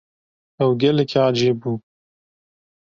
Ew gelekî ecêb bû.